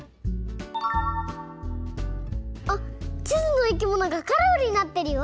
あっちずのいきものがカラフルになってるよ。